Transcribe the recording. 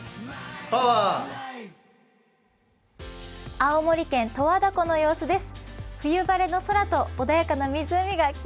青森県十和田湖の様子です。